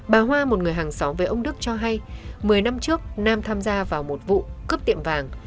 bà hoa một người hàng xóm với ông đức cho hay một mươi năm trước nam tham gia vào một vụ cướp tiệm vàng